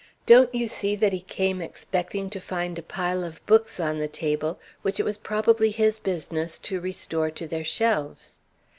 Don't you see that he came expecting to find a pile of books on the table which it was probably his business to restore to their shelves?"